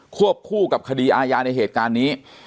วบคู่กับคดีอาญาในเหตุการณ์นี้